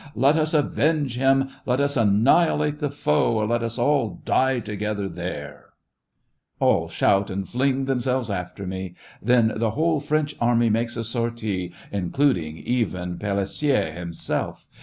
Let us avenge him! Let us annihilate the foe, or let us all die together there !' All shout, and fling themselves after me. Then the* whole French army makes a sortie, in cluding even Pelissier himself.